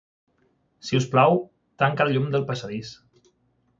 Si us plau, tanca el llum del passadís.